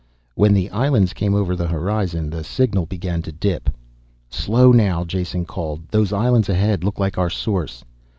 When the islands came over the horizon the signal began to dip. "Slow now," Jason called. "Those islands ahead look like our source!"